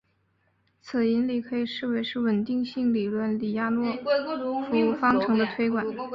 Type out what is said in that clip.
此引理可以视为是稳定性理论李亚普诺夫方程的推广。